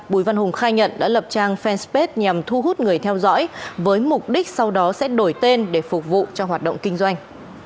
bùi văn hùng khai nhận đã lập trang fanpage nhằm thu hút người theo dõi với mục đích sau đó sẽ đổi tên để phục vụ cho hoạt động kinh doanh